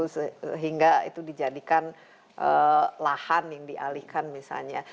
sehingga itu dijadikan lahan yang dialihkan misalnya